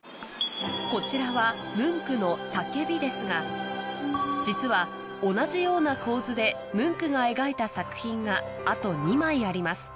こちらは実は同じような構図でムンクが描いた作品があと２枚あります